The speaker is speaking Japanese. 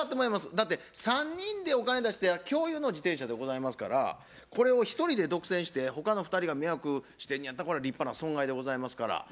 だって３人でお金出して共有の自転車でございますからこれを一人で独占して他の２人が迷惑してんのやったらこれは立派な損害でございますから。